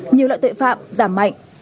nhiều loại tội phạm giảm mạnh